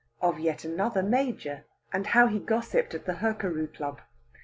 OF YET ANOTHER MAJOR, AND HOW HE GOSSIPPED AT THE HURKARU CLUB.